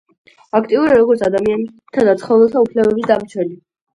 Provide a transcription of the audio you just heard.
აქტიურია, როგორც ადამიანთა და ცხოველთა უფლებების დამცველი.